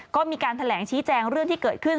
ก็มีการแถลงชี้แจงเรื่องที่เกิดขึ้น